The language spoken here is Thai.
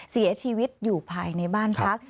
เสียชีวิตอยู่ภายในบ้านพัก